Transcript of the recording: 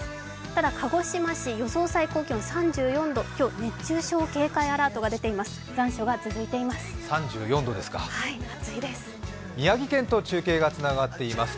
ただ鹿児島市、予想最高気温３４度、今日熱中症警戒アラートが出ています、残暑が続いています。